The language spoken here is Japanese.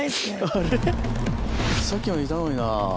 さっきまでいたのにな。